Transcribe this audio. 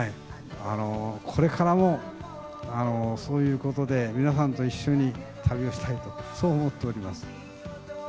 これからも、そういうことで皆さんと一緒に旅をしたいと、そう思っております。